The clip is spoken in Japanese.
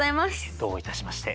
どういたしまして。